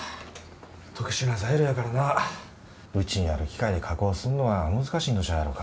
特殊な材料やからなうちにある機械で加工すんのは難しいんとちゃうやろか。